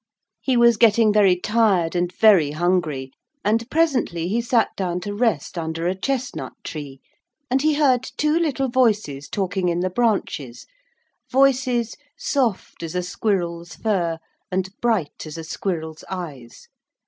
He was getting very tired and very hungry, and presently he sat down to rest under a chestnut tree, and he heard two little voices talking in the branches, voices soft as a squirrel's fur, and bright as a squirrel's eyes.